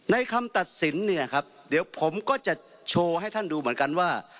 คำตัดสินเนี่ยครับเดี๋ยวผมก็จะโชว์ให้ท่านดูเหมือนกันว่า